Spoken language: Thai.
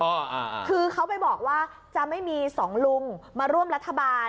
อ่าคือเขาไปบอกว่าจะไม่มีสองลุงมาร่วมรัฐบาล